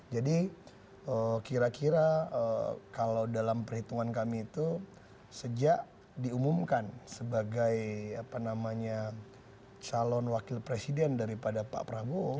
jadi kira kira kalau dalam perhitungan kami itu sejak diumumkan sebagai calon wakil presiden daripada pak prabowo